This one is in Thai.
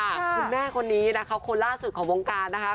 คุณแม่คนนี้นะคะคนล่าสุดของวงการนะคะ